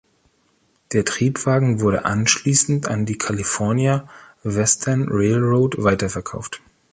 Der Triebwagen wurde anschließend an die California Western Railroad weiterverkauft.